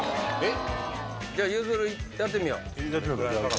じゃあゆづるやってみよう。